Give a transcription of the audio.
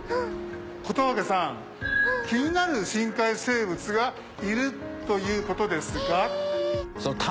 小峠さん気になる深海生物がいるという事ですが。